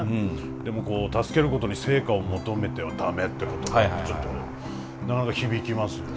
でもこう助けることに成果を求めては駄目って言葉はちょっとなかなか響きますよね。